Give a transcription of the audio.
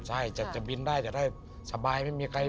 ใช่จะบินได้จะได้สบายไม่มีใคร